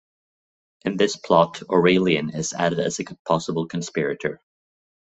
In this plot, Aurelian is added as a possible conspirator.